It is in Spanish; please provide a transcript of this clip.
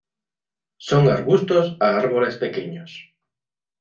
Son arbustos a árboles pequeños.